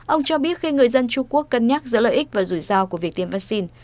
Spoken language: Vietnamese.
ông cho biết khi người dân trung quốc cân nhắc giữa lợi ích và rủi ro của việc tiêm vaccine